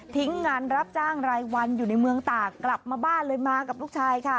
งานรับจ้างรายวันอยู่ในเมืองตากกลับมาบ้านเลยมากับลูกชายค่ะ